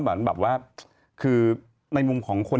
บางอย่างว่าคือในมุมของคน